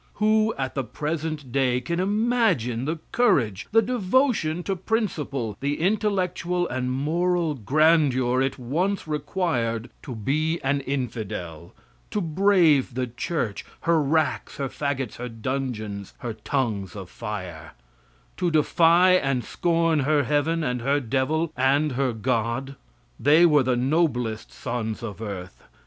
Who at the present day can imagine the courage, the devotion to principle, the intellectual and moral grandeur it once required to be an infidel, to brave the church, her racks, her fagots, her dungeons, her tongues of fire to defy and scorn her heaven and her devil and her God? They were the noblest sons of earth.